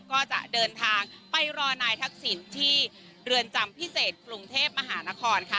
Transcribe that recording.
ก็จะเดินทางไปรอนายทักษิณที่เรือนจำพิเศษกรุงเทพมหานครค่ะ